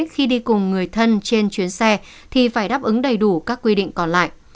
khi đi cùng người thân trên chuyến xe thì phải đáp ứng đầy đủ các quy định còn lại